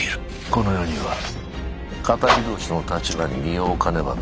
この世には敵同士の立場に身を置かねばならぬ事もある。